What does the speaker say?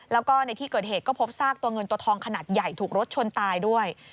แล้วก็ในที่เกิดเหตุก็พบซากตัวเงินตัวทองขนาดใหญ่ถูกรถชนตายด้วย